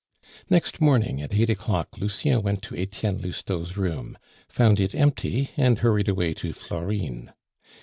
Next morning, at eight o'clock, Lucien went to Etienne Lousteau's room, found it empty, and hurried away to Florine.